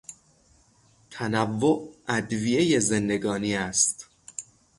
تنوع ادویهی زندگانی است.